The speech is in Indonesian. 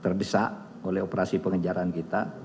terdesak oleh operasi pengejaran kita